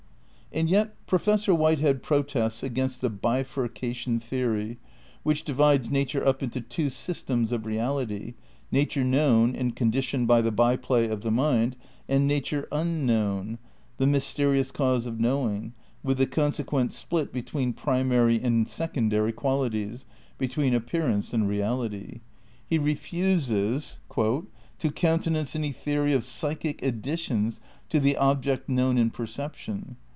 And yet Professor Whitehead protests against the "bifurcation theory" which divides nature up into "two systems of reality,"^ nature known and condi tioned by "the by play of the mind," and nature un known, the mysterious cause of knowing, with the con sequent split between primary and secondary qualities, between appearance and reality. He refuses "to countenance any theory of psychic additions to the object known in perception.